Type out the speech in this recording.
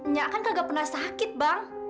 nyak kan kagak pernah sakit bang